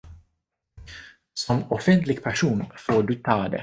Som offentlig person får du ta det.